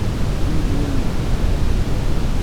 D imeẓyanen.